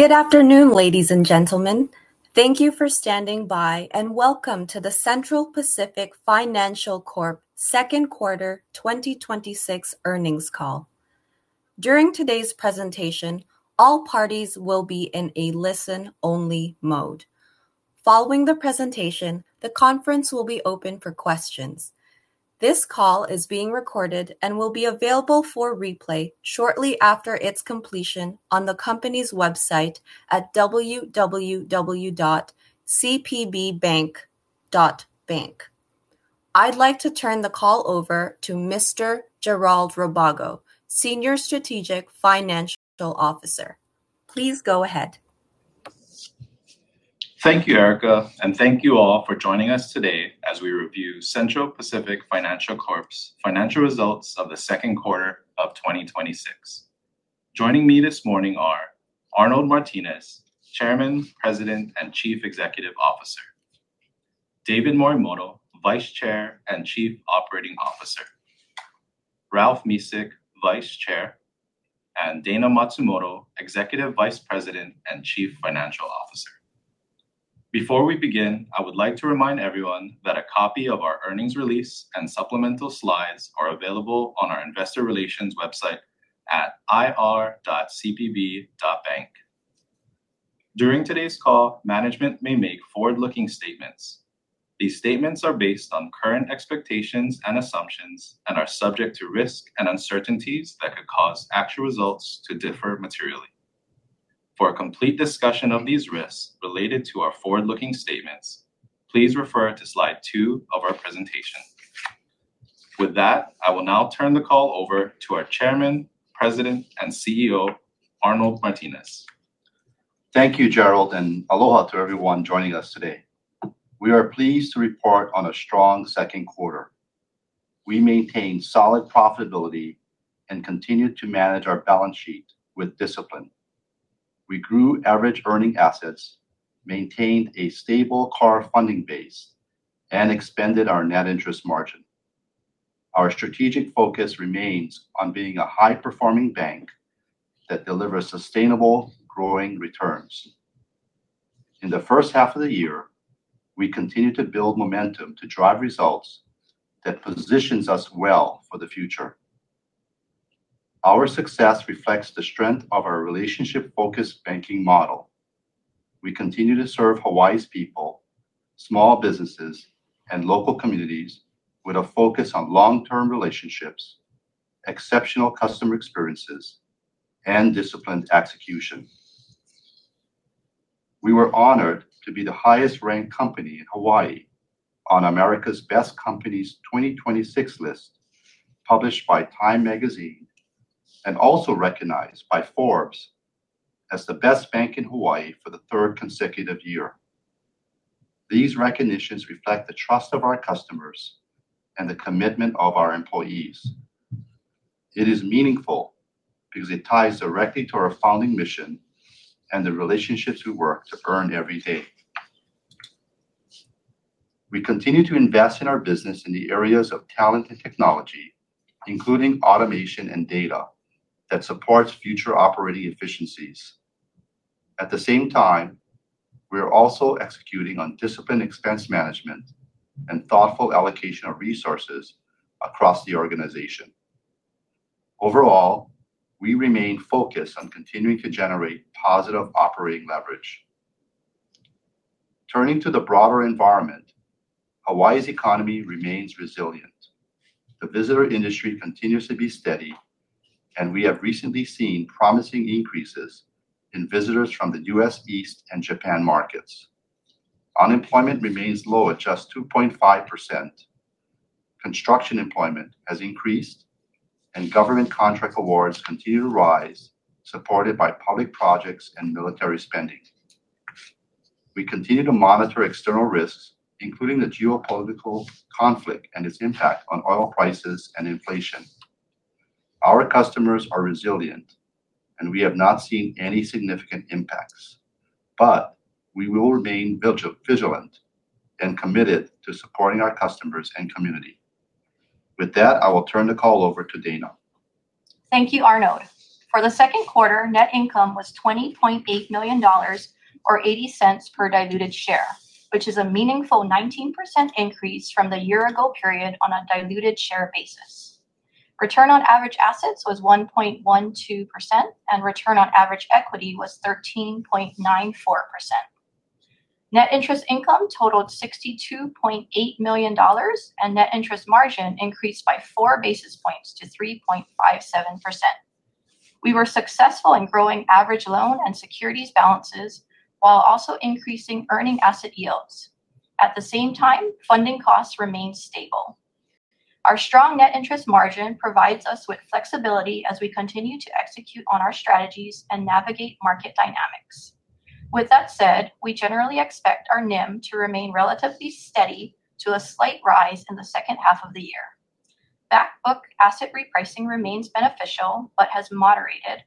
Good afternoon, ladies and gentlemen. Thank you for standing by, and welcome to the Central Pacific Financial Corp Q2 2026 earnings call. During today's presentation, all parties will be in a listen-only mode. Following the presentation, the conference will be open for questions. This call is being recorded and will be available for replay shortly after its completion on the company's website at www.cpb.bank. I'd like to turn the call over to Mr. Jayrald Rabago, Senior Strategic Financial Officer. Please go ahead. Thank you, Erica, and thank you all for joining us today as we review Central Pacific Financial Corp's financial results of the Q2 of 2026. Joining me this morning are Arnold Martines, Chairman, President, and Chief Executive Officer. David Morimoto, Vice Chair and Chief Operating Officer. Ralph Mesick, Vice Chair, and Dayna Matsumoto, Executive Vice President and Chief Financial Officer. Before we begin, I would like to remind everyone that a copy of our earnings release and supplemental slides are available on our investor relations website at ir.cpb.bank. During today's call, management may make forward-looking statements. These statements are based on current expectations and assumptions and are subject to risk and uncertainties that could cause actual results to differ materially. For a complete discussion of these risks related to our forward-looking statements, please refer to slide two of our presentation. With that, I will now turn the call over to our Chairman, President, and CEO, Arnold Martines. Thank you, Jayrald, and aloha to everyone joining us today. We are pleased to report on a strong Q2. We maintained solid profitability and continued to manage our balance sheet with discipline. We grew average earning assets, maintained a stable core funding base, and expanded our net interest margin. Our strategic focus remains on being a high-performing bank that delivers sustainable, growing returns. In the first half of the year, we continued to build momentum to drive results that positions us well for the future. Our success reflects the strength of our relationship-focused banking model. We continue to serve Hawaii's people, small businesses, and local communities with a focus on long-term relationships, exceptional customer experiences, and disciplined execution. We were honored to be the highest-ranked company in Hawaii on America's Best Companies 2026 list, published by TIME Magazine, and also recognized by Forbes as the best bank in Hawaii for the third consecutive year. These recognitions reflect the trust of our customers and the commitment of our employees. It is meaningful because it ties directly to our founding mission and the relationships we work to earn every day. We continue to invest in our business in the areas of talent and technology, including automation and data that supports future operating efficiencies. At the same time, we are also executing on disciplined expense management and thoughtful allocation of resources across the organization. Overall, we remain focused on continuing to generate positive operating leverage. Turning to the broader environment, Hawaii's economy remains resilient. The visitor industry continues to be steady. We have recently seen promising increases in visitors from the U.S. East and Japan markets. Unemployment remains low at just 2.5%. Construction employment has increased. Government contract awards continue to rise, supported by public projects and military spending. We continue to monitor external risks, including the geopolitical conflict and its impact on oil prices and inflation. Our customers are resilient. We have not seen any significant impacts, but we will remain vigilant and committed to supporting our customers and community. With that, I will turn the call over to Dayna. Thank you, Arnold. For the second quarter, net income was $20.8 million, or $0.80 per diluted share, which is a meaningful 19% increase from the year-ago period on a diluted share basis. Return on average assets was 1.12%. Return on average equity was 13.94%. Net interest income totaled $62.8 million. Net interest margin increased by four basis points to 3.57%. We were successful in growing average loan and securities balances while also increasing earning asset yields. At the same time, funding costs remained stable. Our strong net interest margin provides us with flexibility as we continue to execute on our strategies and navigate market dynamics. With that said, we generally expect our NIM to remain relatively steady to a slight rise in the second half of the year. Backbook asset repricing remains beneficial but has moderated.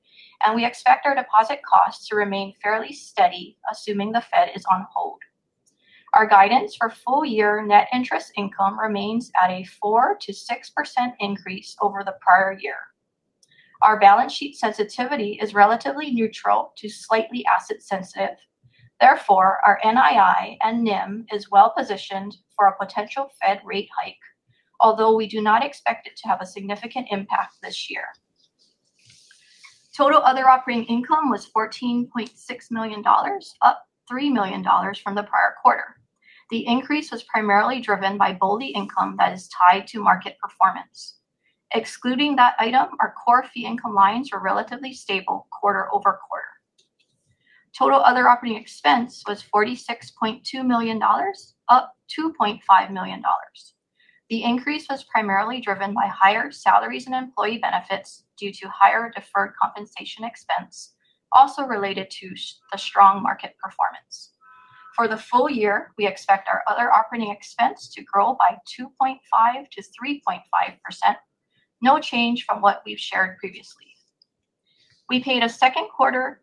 We expect our deposit costs to remain fairly steady, assuming the Fed is on hold. Our guidance for full year net interest income remains at a four percent-six percent increase over the prior year. Our balance sheet sensitivity is relatively neutral to slightly asset sensitive. Our NII and NIM is well-positioned for a potential Fed rate hike, although we do not expect it to have a significant impact this year. Total other operating income was $14.6 million, up $3 million from the prior quarter. The increase was primarily driven by BOLI income that is tied to market performance. Excluding that item, our core fee income lines were relatively stable quarter-over-quarter. Total other operating expense was $46.2 million, up $2.5 million. The increase was primarily driven by higher salaries and employee benefits due to higher deferred compensation expense, also related to the strong market performance. For the full year, we expect our other operating expense to grow by 2.5%-3.5%, no change from what we've shared previously. We paid a Q2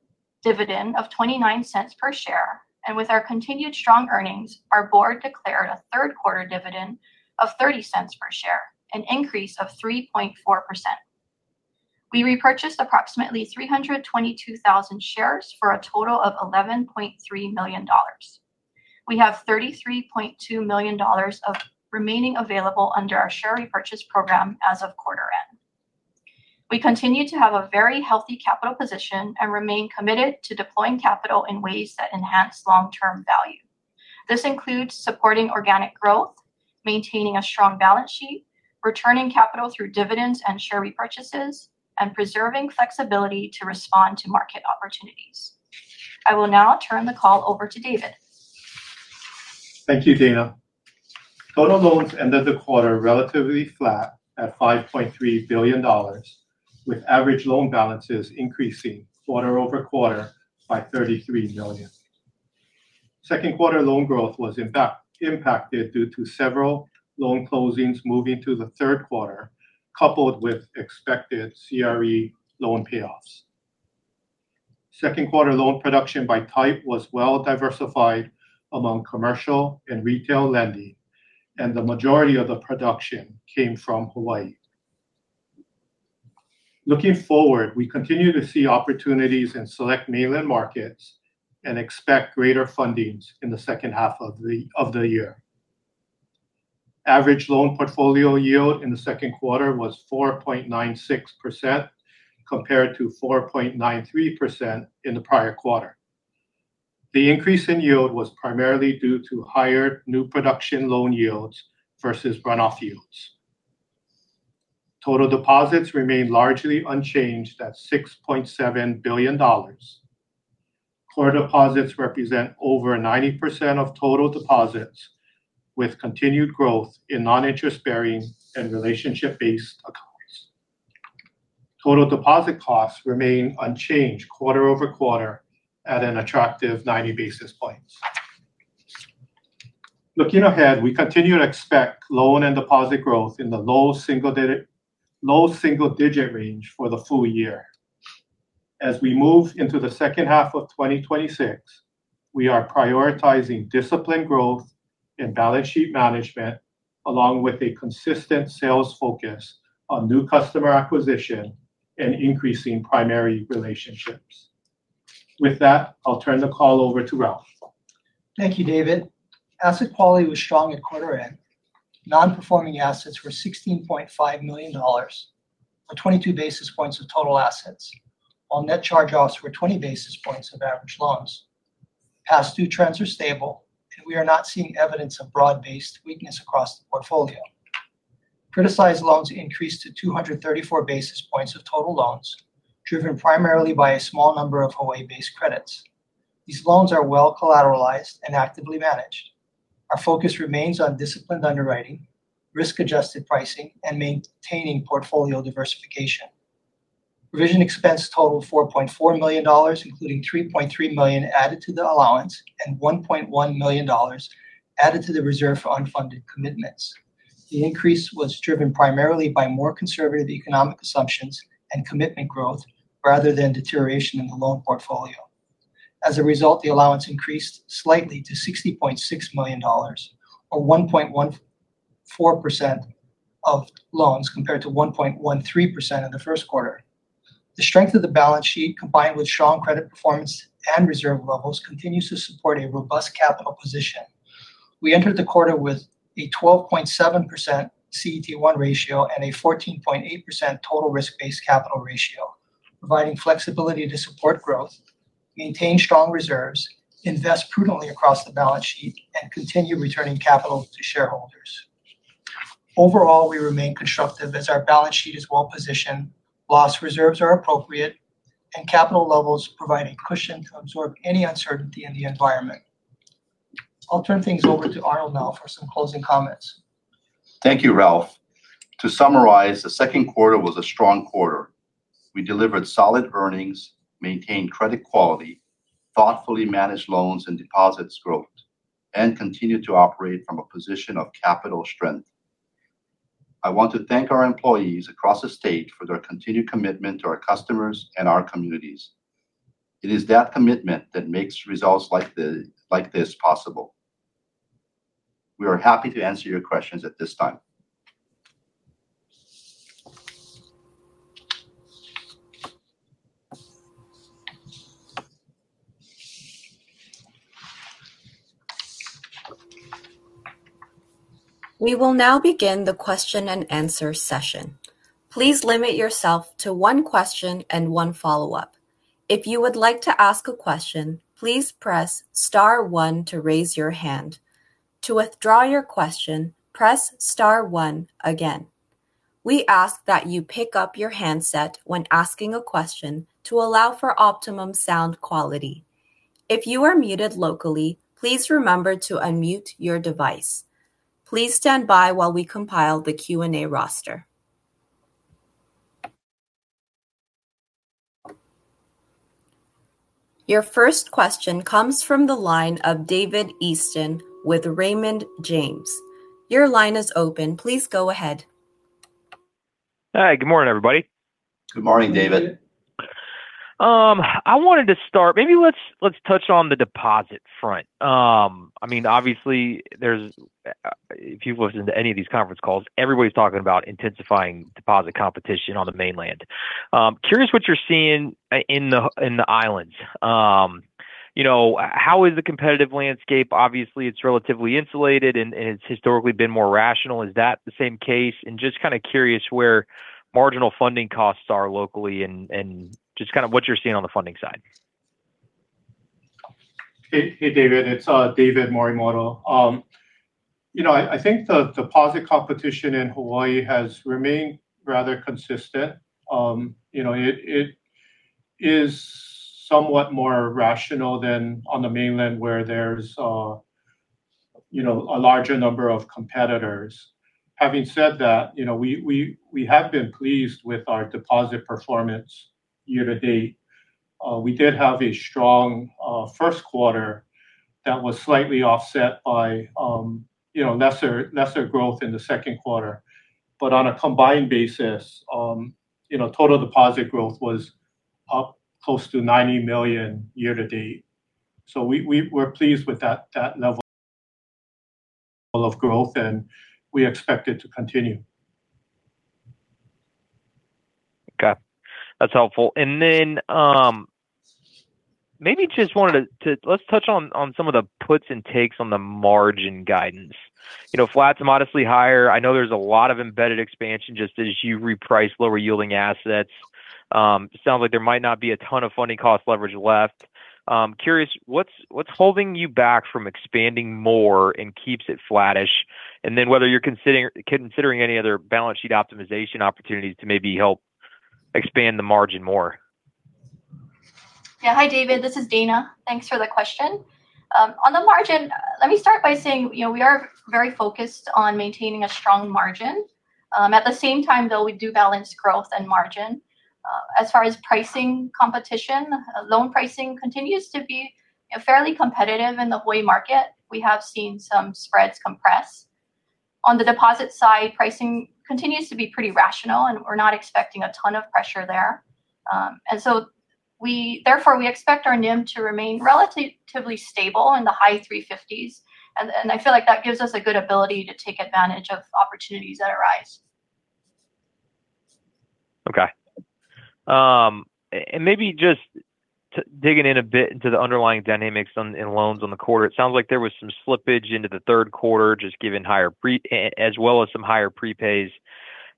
dividend of $0.29 per share, and with our continued strong earnings, our board declared a Q3 dividend of $0.30 per share, an increase of 3.4%. We repurchased approximately 322,000 shares for a total of $11.3 million. We have $33.2 million of remaining available under our share repurchase program as of quarter end. We continue to have a very healthy capital position and remain committed to deploying capital in ways that enhance long-term value. This includes supporting organic growth, maintaining a strong balance sheet, returning capital through dividends and share repurchases, and preserving flexibility to respond to market opportunities. I will now turn the call over to David. Thank you, Dayna. Total loans ended the quarter relatively flat at $5.3 billion, with average loan balances increasing quarter-over-quarter by $33 million. Q2 loan growth was impacted due to several loan closings moving to the Q3, coupled with expected CRE loan payoffs. Q2 loan production by type was well diversified among commercial and retail lending, and the majority of the production came from Hawaii. Looking forward, we continue to see opportunities in select mainland markets and expect greater fundings in the second half of the year. Average loan portfolio yield in the Q2 was 4.96%, compared to 4.93% in the prior quarter. The increase in yield was primarily due to higher new production loan yields versus runoff yields. Total deposits remained largely unchanged at $6.7 billion. Core deposits represent over 90% of total deposits, with continued growth in non-interest bearing and relationship-based accounts. Total deposit costs remain unchanged quarter-over-quarter at an attractive 90 basis points. Looking ahead, we continue to expect loan and deposit growth in the low single digit range for the full year. As we move into the second half of 2026, we are prioritizing disciplined growth and balance sheet management, along with a consistent sales focus on new customer acquisition and increasing primary relationships. With that, I'll turn the call over to Ralph. Thank you, David. Asset quality was strong at quarter end. Non-performing assets were $16.5 million, or 22 basis points of total assets, while net charge-offs were 20 basis points of average loans. Past due trends are stable, and we are not seeing evidence of broad-based weakness across the portfolio. Criticized loans increased to 234 basis points of total loans, driven primarily by a small number of Hawaii-based credits. These loans are well collateralized and actively managed. Our focus remains on disciplined underwriting, risk-adjusted pricing, and maintaining portfolio diversification. Provision expense totaled $4.4 million, including $3.3 million added to the allowance and $1.1 million added to the reserve for unfunded commitments. The increase was driven primarily by more conservative economic assumptions and commitment growth rather than deterioration in the loan portfolio. As a result, the allowance increased slightly to $60.6 million, or 1.14% of loans, compared to 1.13% in the Q1. The strength of the balance sheet, combined with strong credit performance and reserve levels, continues to support a robust capital position. We entered the quarter with a 12.7% CET1 ratio and a 14.8% total risk-based capital ratio, providing flexibility to support growth, maintain strong reserves, invest prudently across the balance sheet, and continue returning capital to shareholders. Overall, we remain constructive as our balance sheet is well-positioned, loss reserves are appropriate, and capital levels provide a cushion to absorb any uncertainty in the environment. I'll turn things over to Arnold now for some closing comments. Thank you, Ralph. To summarize, the Q2 was a strong quarter. We delivered solid earnings, maintained credit quality, thoughtfully managed loans and deposits growth, and continued to operate from a position of capital strength. I want to thank our employees across the state for their continued commitment to our customers and our communities. It is that commitment that makes results like this possible. We are happy to answer your questions at this time. We will now begin the question and answer session. Please limit yourself to one question and one follow-up. If you would like to ask a question, please press star one to raise your hand. To withdraw your question, press star one again. We ask that you pick up your handset when asking a question to allow for optimum sound quality. If you are muted locally, please remember to unmute your device. Please stand by while we compile the Q&A roster. Your first question comes from the line of David Feaster with Raymond James. Your line is open. Please go ahead. Hi. Good morning, everybody. Good morning, David. Let's touch on the deposit front. If you've listened to any of these conference calls, everybody's talking about intensifying deposit competition on the mainland. Curious what you're seeing in the islands. How is the competitive landscape? It's relatively insulated, and it's historically been more rational. Is that the same case? Just kind of curious where marginal funding costs are locally and just kind of what you're seeing on the funding side. Hey, David. It's David. I think the deposit competition in Hawaii has remained rather consistent. It is somewhat more rational than on the mainland, where there's a larger number of competitors. Having said that, we have been pleased with our deposit performance year to date. We did have a strong Q1 that was slightly offset by lesser growth in the Q2. On a combined basis, total deposit growth was up close to $90 million year to date. We're pleased with that level of growth, and we expect it to continue. Okay. That's helpful. Let's touch on some of the puts and takes on the margin guidance. Flats and modestly higher, I know there's a lot of embedded expansion just as you reprice lower yielding assets. Sounds like there might not be a ton of funding cost leverage left. Curious, what's holding you back from expanding more and keeps it flattish, and then whether you're considering any other balance sheet optimization opportunities to maybe help expand the margin more? Yeah. Hi, David. This is Dayna. Thanks for the question. On the margin, let me start by saying, we are very focused on maintaining a strong margin. At the same time, though, we do balance growth and margin. As far as pricing competition, loan pricing continues to be fairly competitive in the Hawaii market. We have seen some spreads compress. On the deposit side, pricing continues to be pretty rational, and we're not expecting a ton of pressure there. Therefore, we expect our NIM to remain relatively stable in the high 350s, and I feel like that gives us a good ability to take advantage of opportunities that arise. Okay. Maybe just digging in a bit into the underlying dynamics in loans on the quarter, it sounds like there was some slippage into the Q3, as well as some higher prepays.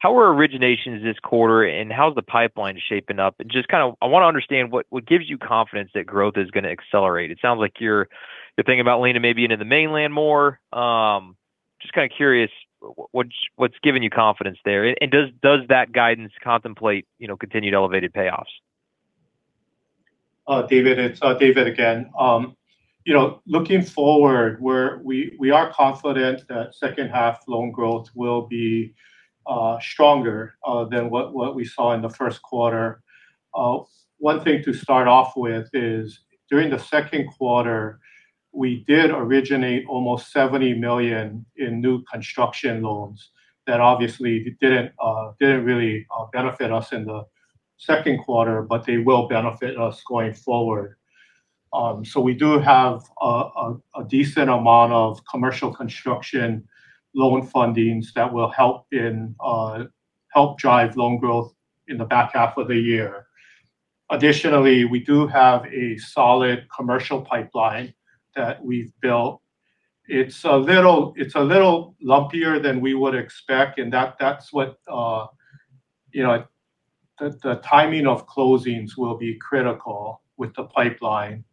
How are originations this quarter, and how's the pipeline shaping up? I want to understand, what gives you confidence that growth is going to accelerate? It sounds like you're thinking about leaning maybe into the mainland more. Just kind of curious what's giving you confidence there, and does that guidance contemplate continued elevated payoffs? David, it's David again. Looking forward, we are confident that second half loan growth will be stronger than what we saw in the Q1. One thing to start off with is, during the Q2, we did originate almost $70 million in new construction loans that obviously didn't really benefit us in the Q2, but they will benefit us going forward. We do have a decent amount of commercial construction loan fundings that will help drive loan growth in the back half of the year. Additionally, we do have a solid commercial pipeline that we've built. It's a little lumpier than we would expect, and the timing of closings will be critical with the pipeline.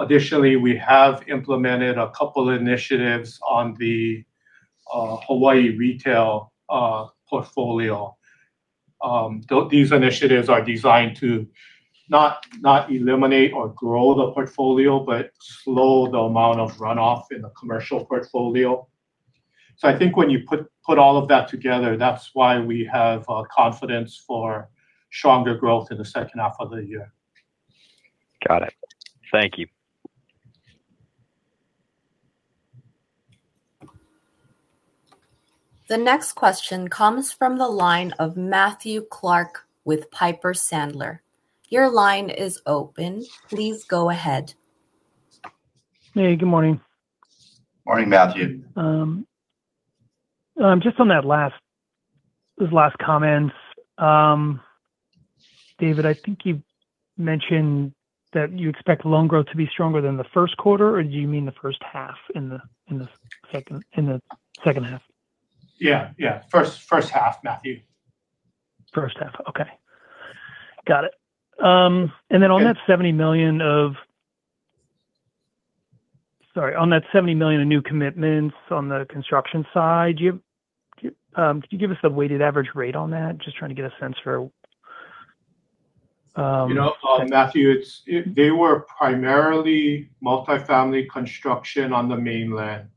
Additionally, we have implemented a couple initiatives on the Hawaii retail portfolio. These initiatives are designed to not eliminate or grow the portfolio, but slow the amount of runoff in the commercial portfolio. I think when you put all of that together, that's why we have confidence for stronger growth in the second half of the year. Got it. Thank you. The next question comes from the line of Matthew Clark with Piper Sandler. Your line is open. Please go ahead. Hey, good morning. Morning, Matthew. Just on those last comments. David, I think you mentioned that you expect loan growth to be stronger than the Q1? Or do you mean the first half in the second half? Yeah. First half, Matthew. First half. Okay. Got it. Yeah. On that $70 million of new commitments on the construction side, could you give us a weighted average rate on that? Just trying to get a sense. Matthew, they were primarily multifamily construction on the mainland.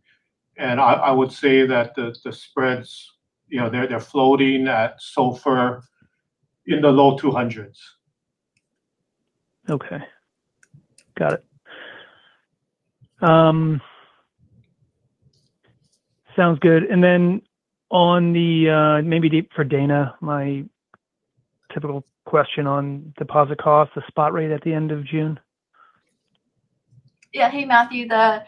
I would say that the spreads, they're floating at SOFR in the low 200s. Okay. Got it. Sounds good. Maybe for Dayna, my typical question on deposit costs, the spot rate at the end of June. Yeah. Hey, Matthew. The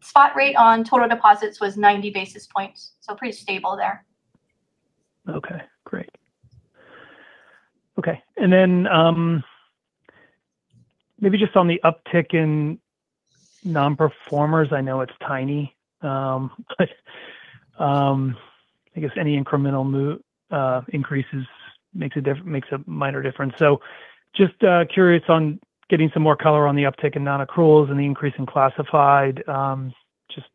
spot rate on total deposits was 90 basis points, pretty stable there. Okay, great. Okay. Maybe just on the uptick in non-performers, I know it's tiny. I guess any incremental increases makes a minor difference. Just curious on getting some more color on the uptick in non-accruals and the increase in classified, just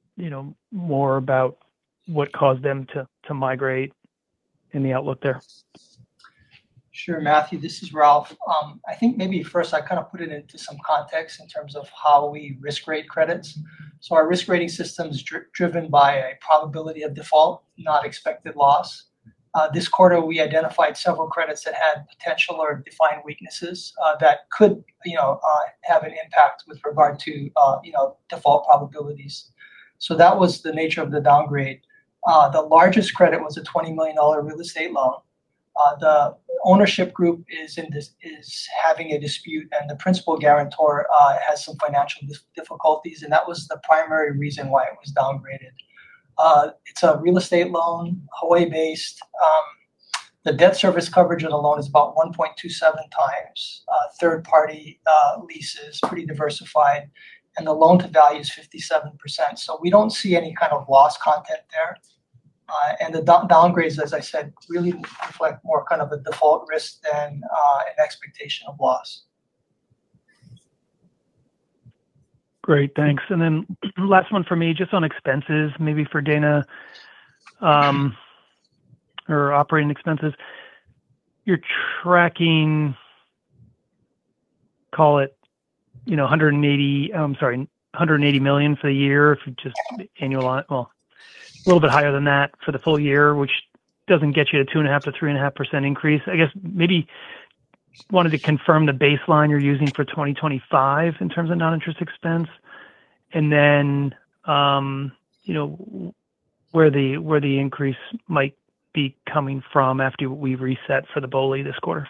more about what caused them to migrate and the outlook there. Sure, Matthew. This is Ralph. I think maybe first I kind of put it into some context in terms of how we risk rate credits. Our risk rating system's driven by a probability of default, not expected loss. This quarter, we identified several credits that had potential or defined weaknesses that could have an impact with regard to default probabilities. That was the nature of the downgrade. The largest credit was a $20 million real estate loan. The ownership group is having a dispute, and the principal guarantor has some financial difficulties, and that was the primary reason why it was downgraded. It's a real estate loan, Hawaii based. The debt service coverage of the loan is about 1.27X. Third party lease is pretty diversified, and the loan to value is 57%. We don't see any kind of loss content there. The downgrades, as I said, really reflect more kind of a default risk than an expectation of loss. Great, thanks. Last one for me, just on expenses, maybe for Dayna, or operating expenses. You're tracking, call it $180 million for the year. Well, a little bit higher than that for the full year, which doesn't get you to 2.5%-3.5% increase. I guess maybe wanted to confirm the baseline you're using for 2025 in terms of non-interest expense, and then where the increase might be coming from after we've reset for the BOLI this quarter.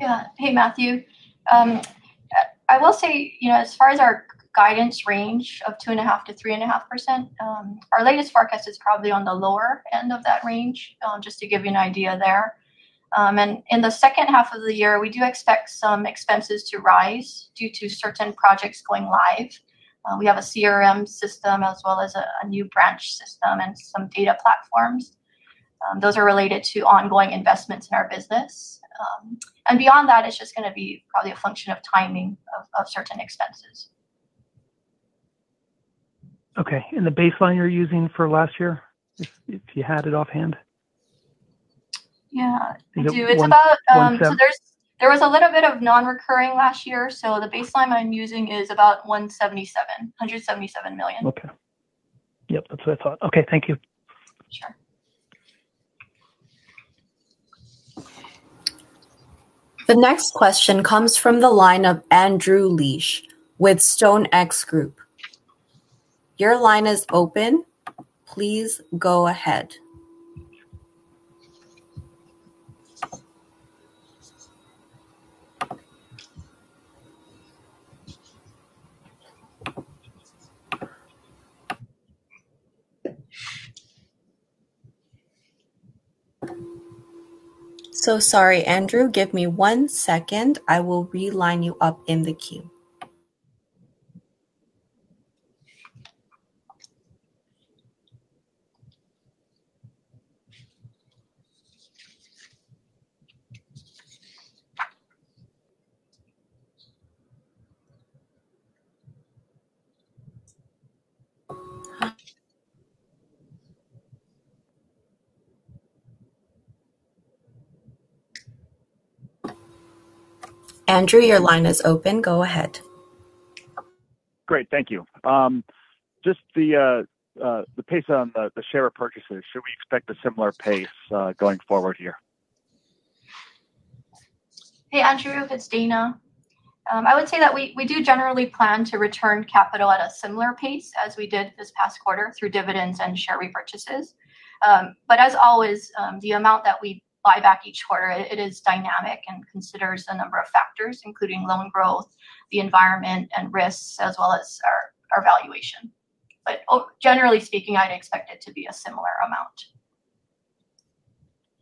Yeah. Hey, Matthew. I will say, as far as our guidance range of 2.5%-3.5%, our latest forecast is probably on the lower end of that range, just to give you an idea there. In the second half of the year, we do expect some expenses to rise due to certain projects going live. We have a CRM system as well as a new branch system and some data platforms. Those are related to ongoing investments in our business. Beyond that, it's just going to be probably a function of timing of certain expenses. Okay, the baseline you're using for last year, if you had it offhand? Yeah. I do. I think it's 170- There was a little bit of non-recurring last year, the baseline I'm using is about $177 million. Okay. Yep. That's what I thought. Okay, thank you. Sure. The next question comes from the line of Andrew Liesch with Stone X Group. Your line is open. Please go ahead. Sorry, Andrew. Give me one second. I will re-line you up in the queue. Andrew, your line is open. Go ahead. Great. Thank you. Just the pace on the share purchases, should we expect a similar pace going forward here? Hey, Andrew Liesch, it's Dayna. I would say that we do generally plan to return capital at a similar pace as we did this past quarter through dividends and share repurchases. As always, the amount that we buy back each quarter, it is dynamic and considers a number of factors, including loan growth, the environment, and risks, as well as our valuation. Generally speaking, I'd expect it to be a similar amount.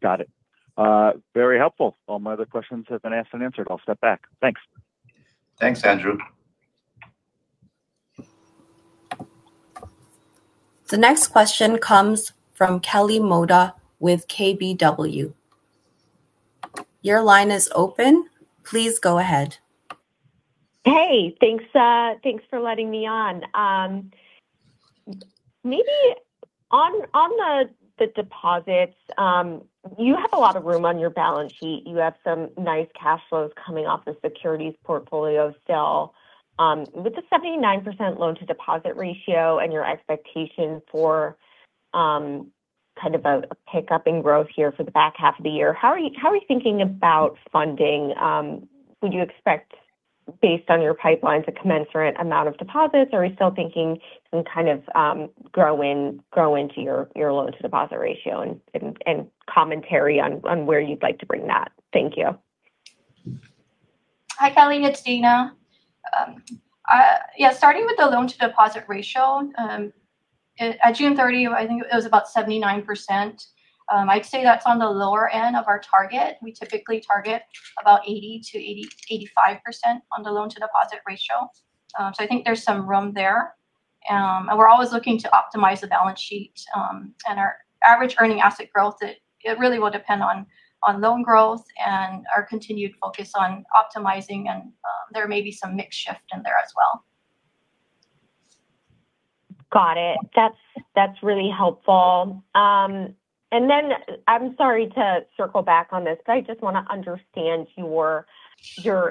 Got it. Very helpful. All my other questions have been asked and answered. I'll step back. Thanks. Thanks, Andrew Liesch. The next question comes from Kelly Motta with KBW. Your line is open. Please go ahead. Hey, thanks for letting me on. Maybe on the deposits, you have a lot of room on your balance sheet. You have some nice cash flows coming off the securities portfolio sale. With the 79% loan-to-deposit ratio and your expectation for kind of a pickup in growth here for the back half of the year, how are you thinking about funding? Would you expect, based on your pipeline, a commensurate amount of deposits, or are you still thinking some kind of grow into your loan-to-deposit ratio and commentary on where you'd like to bring that? Thank you. Hi, Kelly, it's Dayna. Yeah, starting with the loan-to-deposit ratio, at June 30, I think it was about 79%. I'd say that's on the lower end of our target. We typically target about 80%-85% on the loan-to-deposit ratio. I think there's some room there. Our average earning asset growth, it really will depend on loan growth and our continued focus on optimizing, and there may be some mix shift in there as well. Got it. That's really helpful. I'm sorry to circle back on this, but I just want to understand your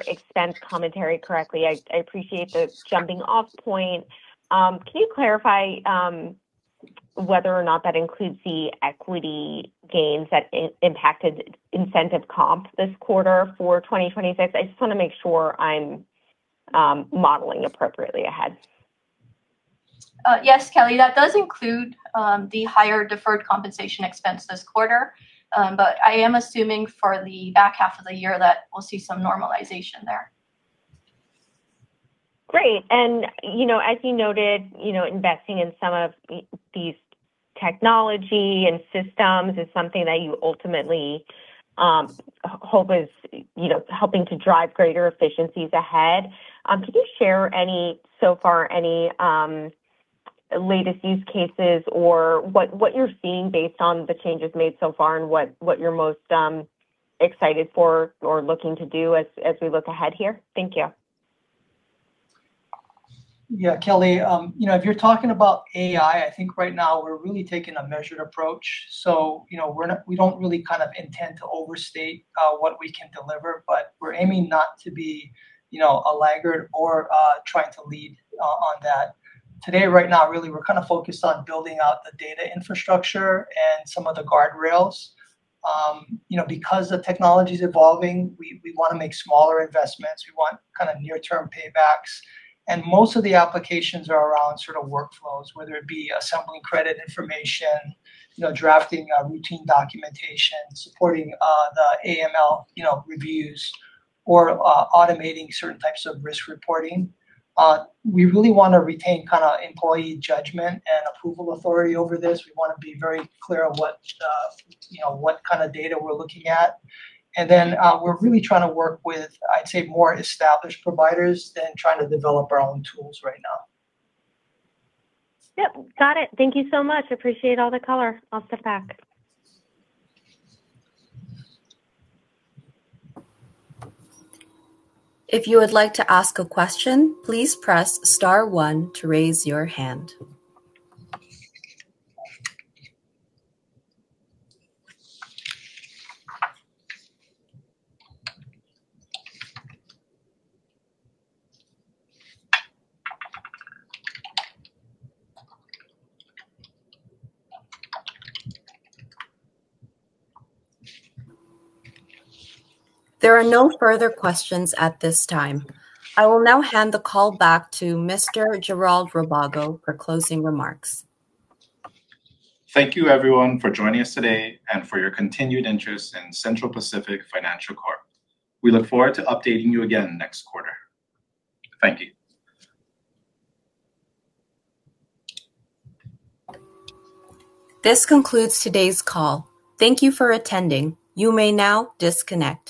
expense commentary correctly. I appreciate the jumping-off point. Can you clarify whether or not that includes the equity gains that impacted incentive comp this quarter for 2026? I just want to make sure I'm modeling appropriately ahead. Yes, Kelly, that does include the higher deferred compensation expense this quarter. I am assuming for the back half of the year that we'll see some normalization there. Great. As you noted, investing in some of these technology and systems is something that you ultimately hope is helping to drive greater efficiencies ahead. Can you share so far any latest use cases or what you're seeing based on the changes made so far and what you're most excited for or looking to do as we look ahead here? Thank you. Yeah, Kelly. If you're talking about AI, I think right now we're really taking a measured approach. We don't really kind of intend to overstate what we can deliver, but we're aiming not to be a laggard or trying to lead on that. Today, right now, really, we're kind of focused on building out the data infrastructure and some of the guardrails. Because the technology's evolving, we want to make smaller investments. We want kind of near-term paybacks. Most of the applications are around sort of workflows, whether it be assembling credit information, drafting routine documentation, supporting the AML reviews, or automating certain types of risk reporting. We really want to retain kind of employee judgment and approval authority over this. We want to be very clear on what kind of data we're looking at. We're really trying to work with, I'd say, more established providers than trying to develop our own tools right now. Yep, got it. Thank you so much. Appreciate all the color. I'll step back. If you would like to ask a question, please press star one to raise your hand. There are no further questions at this time. I will now hand the call back to Mr. Jayrald Rabago for closing remarks. Thank you, everyone, for joining us today and for your continued interest in Central Pacific Financial Corp. We look forward to updating you again next quarter. Thank you. This concludes today's call. Thank you for attending. You may now disconnect.